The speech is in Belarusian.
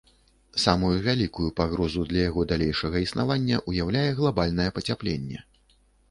Самую вялікую пагрозу для яго далейшага існавання ўяўляе глабальнае пацяпленне.